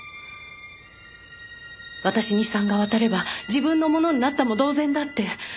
私に遺産が渡れば自分のものになったも同然だって。